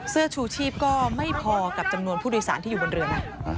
เสื้อชูชีพก็ไม่พอกับจำนวนผู้โดยสารที่อยู่บนเรือนะ